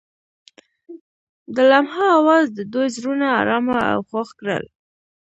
د لمحه اواز د دوی زړونه ارامه او خوښ کړل.